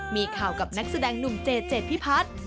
มีข่าวกับนักแสดงหนุ่มเจเจพิพัฒน์